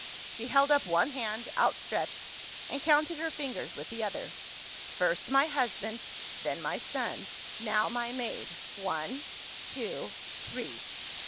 She held up one hand, outstretched; and counted her fingers with the other. "First my husband. Then my son. Now my maid. One, two, three.